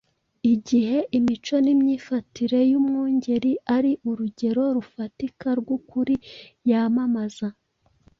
Igihe imico n’imyifatire y’umwungeri ari urugero rufatika rw’ukuri yamamaza,